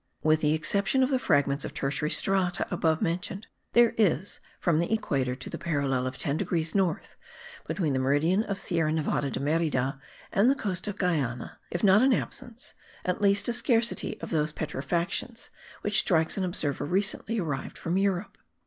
With the exception of the fragments of tertiary strata above mentioned there is, from the equator to the parallel of 10 degrees north (between the meridian of Sierra Nevada de Merida and the coast of Guiana), if not an absence, at least a scarcity of those petrifactions, which strikes an observer recently arrived from Europe.